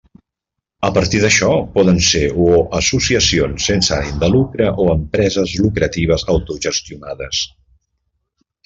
A partir d'això, poden ser o associacions sense ànim de lucre o empreses lucratives autogestionades.